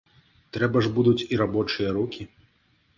Трэба ж будуць і рабочыя рукі.